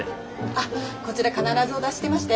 あこちら必ずお出ししてまして。